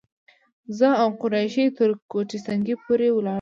زه او قریشي تر کوټه سنګي پورې ولاړو.